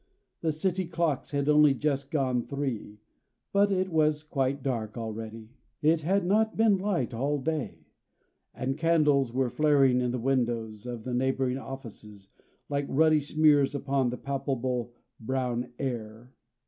The city clocks had only just gone three, but it was quite dark already it had not been light all day and candles were flaring in the windows of the neighboring offices, like ruddy smears upon the palpable brown air.